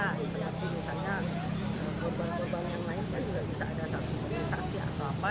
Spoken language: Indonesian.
tapi misalnya berbual berbual yang lain kan juga bisa ada satu organisasi atau apa